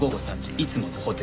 いつものホテルで」